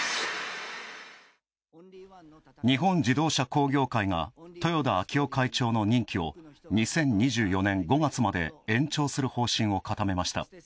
日本自動車工業会が豊田章男会長の任期を２０２４年５月まで延長する方針を固めました。